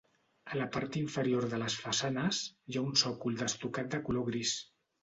A la part inferior de les façanes, hi ha un sòcol d'estucat de color gris.